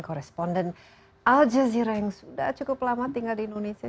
koresponden al jazeera yang sudah cukup lama tinggal di indonesia